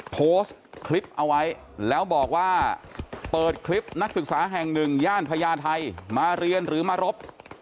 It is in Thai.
โพสต์คลิปเอาไว้แล้วบอกว่าเปิดคลิปนักศึกษาแห่งหนึ่งย่านพญาไทยมาเรียนหรือมารบ